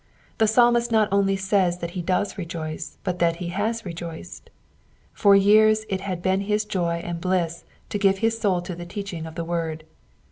The Psalmist not only says that he does rejoice, but that he has rejoiced. For years it had been his joy and bliss to give his soul to the teaching of the word.